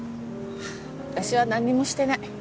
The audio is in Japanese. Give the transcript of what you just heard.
私は何にもしてない。